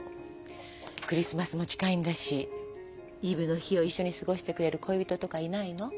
クリスマスも近いんだしイブの日を一緒に過ごしてくれる恋人とかいないの？